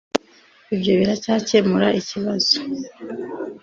ibyo biracyakemura ikibazo